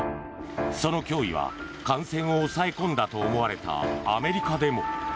その今日は感染を抑え込んだと思われたアメリカでも。